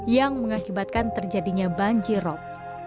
yang mengakibatkan terjadinya banjirop